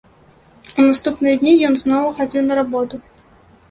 У наступныя дні ён зноў хадзіў на работу.